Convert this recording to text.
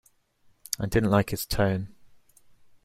I didn't like his tone.